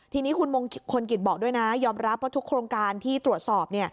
ทีนี้คุณมงคลกิจบอกด้วยนะยอมรับว่าทุกโครงการที่ตรวจสอบ